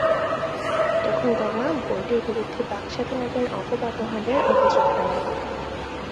তখন তারা বইটির বিরুদ্ধে বাক স্বাধীনতার অপব্যবহারের অভিযোগ আনে।